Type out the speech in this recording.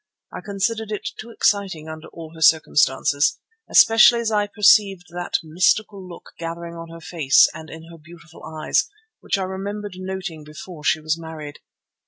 I considered it too exciting under all her circumstances, especially as I perceived that mystical look gathering on her face and in her beautiful eyes, which I remembered noting before she was married.